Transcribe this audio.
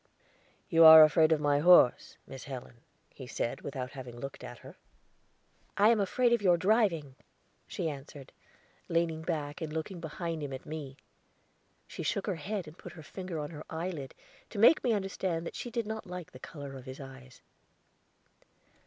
"You are afraid of my horse, Miss Helen," he said, without having looked at her. "I am afraid of your driving," she answered, leaning back and looking behind him at me. She shook her head and put her finger on her eyelid to make me understand that she did not like the color of his eyes.